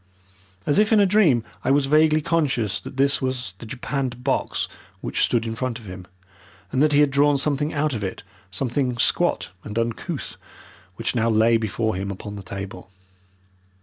As if in a dream I was vaguely conscious that this was the japanned box which stood in front of him, and that he had drawn something out of it, something squat and uncouth, which now lay before him upon the table.